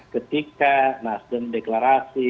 ketika nasdem deklarasi